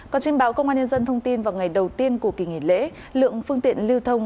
còn trên báo công an nhân dân thông tin vào ngày đầu tiên của kỳ nghỉ lễ lượng phương tiện lưu thông